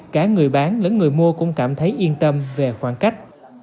cả người bán lẫn người mua cũng cảm thấy yên tâm về khoảng cách